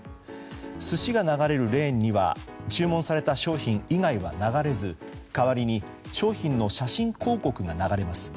寿司が流れるレーンには注文された商品以外は流れず代わりに商品の写真広告が流れます。